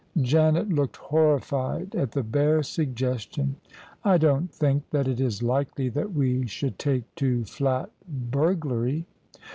Janet looked horrified at the bare suggestion. " I don't think that it is likely that we should take to flat bur glary."